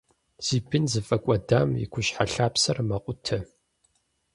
Зи бын зыфӀэкӀуэдам и гущхьэлъапсэр мэкъутэ.